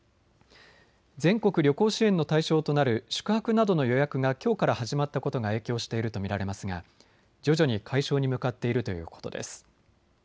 全国旅行支援の対象となる宿泊などの予約がきょうから始まったことが影響していると見られますが徐々に解消に向かっているということです。